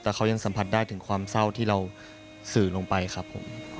แต่เขายังสัมผัสได้ถึงความเศร้าที่เราสื่อลงไปครับผม